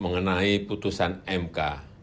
mengenai putusan mk